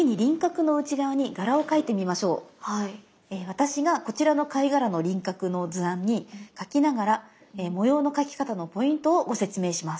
私がこちらの貝殻の輪郭の図案に描きながら模様の描き方のポイントをご説明します。